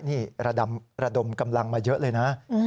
นี่ระดมกำลังมาเยอะเลยนะ